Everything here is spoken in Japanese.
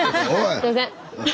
すいません！